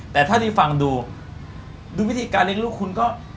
แต่ถ้าได้ฟังดูดูวิธีการเลี้ยงลูกคุณก็